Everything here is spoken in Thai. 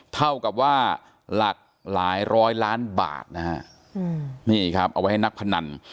เท่ากับว่าหลากหลายร้อยล้านบาทนะฮะนี่ครับเอาไว้ให้นักพนัน